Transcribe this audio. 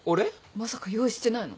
まさか用意してないの？